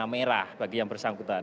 karena merah bagi yang bersangkutan